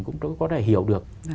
cũng có thể hiểu được